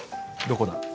どこだ？